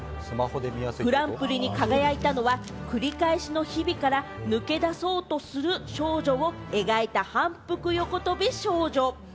グランプリに輝いたのは、繰り返しの日々から抜け出そうとする少女を描いた『反復横跳び少女』。